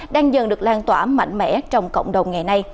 đang dần được lan tỏa mạnh mẽ trong cộng đồng ngày nay